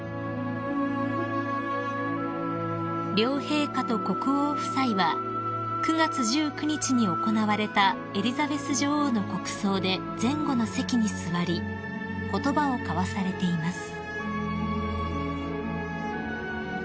［両陛下と国王夫妻は９月１９日に行われたエリザベス女王の国葬で前後の席に座り言葉を交わされています］